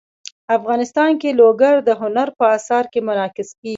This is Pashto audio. افغانستان کې لوگر د هنر په اثار کې منعکس کېږي.